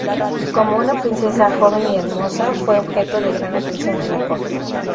Como una princesa joven y hermosa, fue objeto de gran atención en la corte.